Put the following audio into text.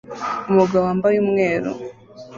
Umugabo wambaye umweru